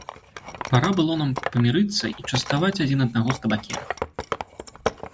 Пара было нам памірыцца і частаваць адзін аднаго з табакерак.